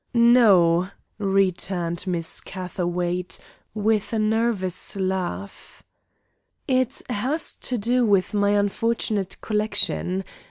"No," returned Miss Catherwaight, with a nervous laugh; "it has to do with my unfortunate collection.